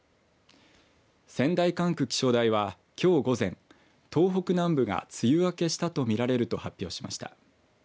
仙台管区気象台は、きょう午前東北南部が梅雨明けしたと見られると発表しました。